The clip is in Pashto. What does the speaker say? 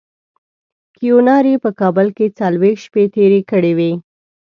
کیوناري په کابل کې څلوېښت شپې تېرې کړې وې.